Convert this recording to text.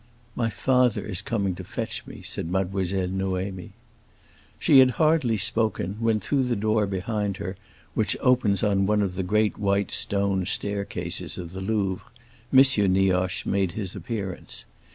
"My father is coming to fetch me," said Mademoiselle Noémie. She had hardly spoken when, through the door behind her, which opens on one of the great white stone staircases of the Louvre, M. Nioche made his appearance.